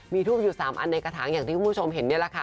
มีทูบอยู่๓อันในกระถางอย่างที่คุณผู้ชมเห็นนี่แหละค่ะ